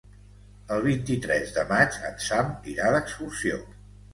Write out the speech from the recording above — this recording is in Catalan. El vint-i-tres de maig en Sam irà d'excursió.